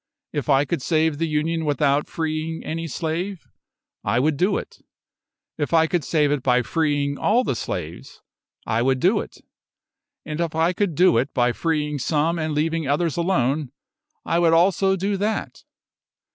If I could save the Union without freeing any slave, I would do it; if I could save it by freeing all the slaves, I would do it; and if I could do it by freeing some and leaving others alone, I would also do that....